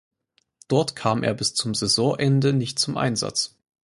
Dort kam er bis Saisonende nicht zum Einsatz.